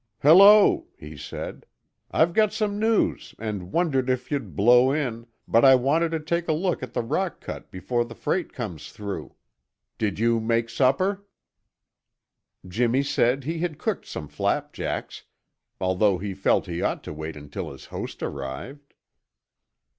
"Hello!" he said. "I've got some news and wondered if you'd blow in, but I wanted to take a look at the rock cut before the freight comes through. Did you make supper?" Jimmy said he had cooked some flapjacks, although he felt he ought to wait until his host arrived.